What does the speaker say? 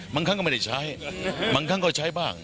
บางครั้งก็ไม่ได้ใช้บางครั้งก็ใช้บ้าง